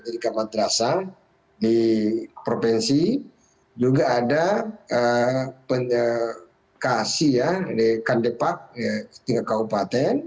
di kampung terasa di provinsi juga ada penyelenggaraan di kandepak tinggi kabupaten